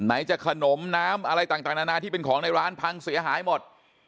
ไหนจะขนมน้ำอะไรต่างนานาที่เป็นของในร้านพังเสียหายหมด